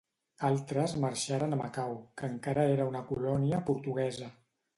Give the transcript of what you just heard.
Altres marxaren a Macau, que encara era una colònia portuguesa.